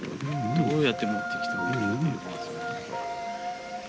どうやって持ってきたんだろう。